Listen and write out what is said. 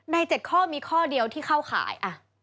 ในเจ็ดข้อมีข้อเดียวที่เข้าขาย